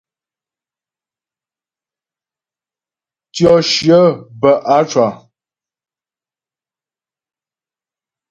Tyɔ shyə bə á cwa.